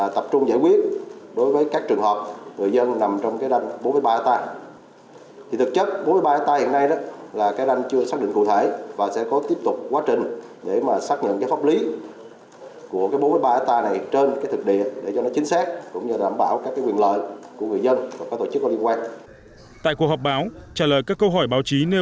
tại cuộc họp báo trả lời các câu hỏi báo chí nêu liên quan đến công tác bồi thường